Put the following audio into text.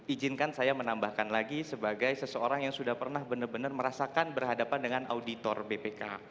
ijinkan saya menambahkan lagi sebagai seseorang yang sudah pernah benar benar merasakan berhadapan dengan auditor bpk